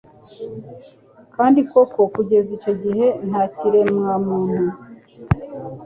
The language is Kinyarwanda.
Kandi koko kugeza icyo gihe nta kiremwamuntu